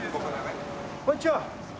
こんにちは。